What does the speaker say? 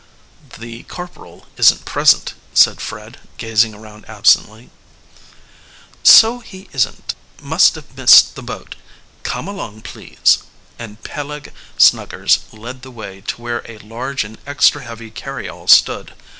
"The corporal isn't present," said Fred, gazing around absently. "So he isn't. Must have missed the boat. Come along, please," and Peleg Snuggers led the way to where a large and extra heavy carryall stood.